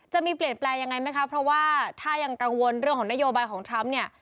จะมีเปลี่ยนแปลงยังไงไหมคะเพราะว่าถ้ายังกังวลเรื่องของนโยบายของทรัมป์เนี่ย